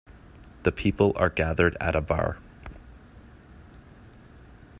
The people are gathered at a bar.